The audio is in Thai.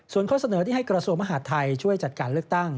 ส่วนข้อเสนอที่ให้กระทรวงมหาดไทยช่วยจัดการเลือกตั้ง